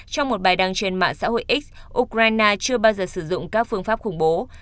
trong một bài đăng trên mạng xã hội x ukraine chưa bao giờ sử dụng các phương pháp khủng bố